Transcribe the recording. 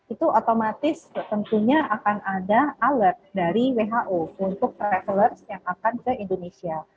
itu otomatis tentunya akan ada alert dari who untuk traveler yang akan ke indonesia